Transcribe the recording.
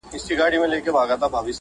د بابا د نظرياتو له مخي